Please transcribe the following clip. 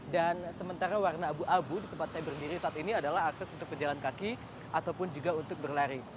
dan sementara warna abu abu di tempat saya berdiri saat ini adalah akses untuk berjalan kaki ataupun juga untuk berlari